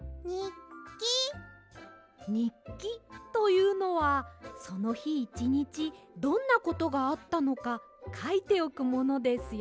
にっきというのはそのひいちにちどんなことがあったのかかいておくものですよ。